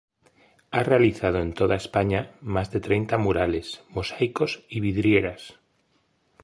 Ha realizado en toda España más de treinta murales, mosaicos y vidrieras.